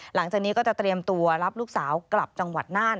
หลังจากนี้ก็จะเตรียมตัวรับลูกสาวกลับจังหวัดน่าน